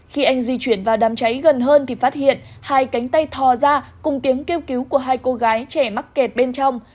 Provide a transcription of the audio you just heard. khi anh di chuyển vào đám cháy gần hơn thì phát hiện hai cánh tay thò ra cùng tiếng kêu cứu của hai cô gái trẻ mắc kẹt bên trong